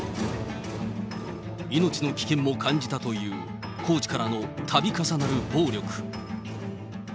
命の危険も感じたというコーチからのたび重なる暴力。